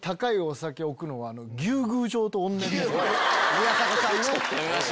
宮迫さんね。